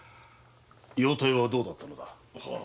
容体はどうだったのだ？